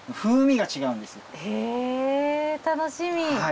へぇ楽しみ。